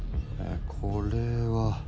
これは。